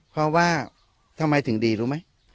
เพราะว่าทำไมถึงดีรู้ไหม